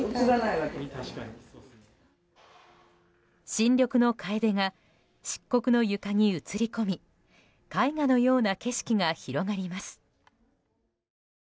新緑のカエデが漆黒の床に映り込み絵画のような景色が広がります。